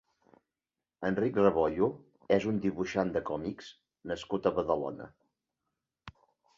Enric Rebollo és un dibuixant de còmics nascut a Badalona.